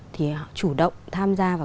thì họ chủ động tham gia vào